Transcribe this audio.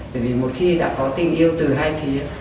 bởi vì một khi đã có tình yêu từ hai phía